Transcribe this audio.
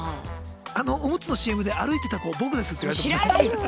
「あのおむつのＣＭで歩いてた子僕です」って言われても。